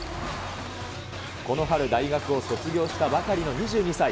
この春大学を卒業したばかりの２２歳、